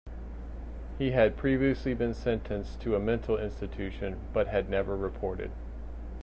He had previously been sentenced to a mental institution but had never reported.